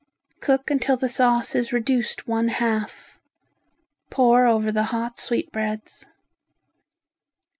Cook until the sauce is reduced one half. Pour over the hot sweetbreads.